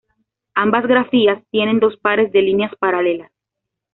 Ambas grafías tienen dos pares de líneas paralelas.